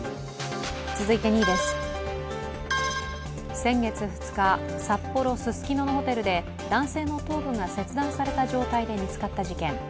続いて２位です、先月２日、札幌・ススキノのホテルで男性の頭部が切断された状態で見つかった事件。